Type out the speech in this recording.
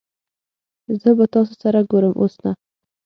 زه به تاسو سره ګورم اوس نه